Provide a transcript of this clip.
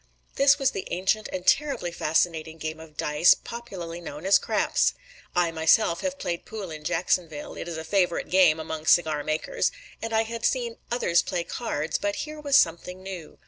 This was the ancient and terribly fascinating game of dice, popularly known as "craps." I myself had played pool in Jacksonville it is a favorite game among cigar makers and I had seen others play cards; but here was something new.